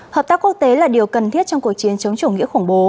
hợp tác quốc tế là điều cần thiết trong cuộc chiến chống chủ nghĩa khủng bố